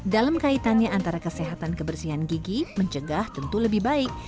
dalam kaitannya antara kesehatan kebersihan gigi mencegah tentu lebih baik